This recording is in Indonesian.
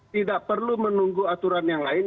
tidak perlu menunggu aturan yang lain